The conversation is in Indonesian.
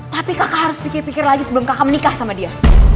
tapi kakak harus pikir pikir lagi sebelum kakak menikah sama dia